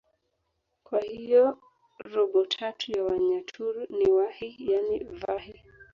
kwa hiyo robo tatu ya wanyaturu ni wahi yaani vahi